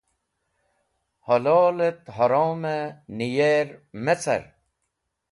Hololẽt horomẽ nẽyer me car.